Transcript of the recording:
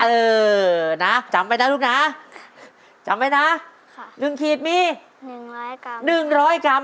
เออนะจำไปนะลูกนะจำไปนะ๑ขีดมี๑๐๐กรัม